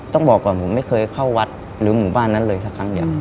ต้องบอกก่อนผมไม่เคยเข้าวัดหรือหมู่บ้านนั้นเลยสักครั้งเดียว